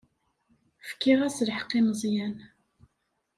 Fkiɣ-as lḥeqq i Meẓyan.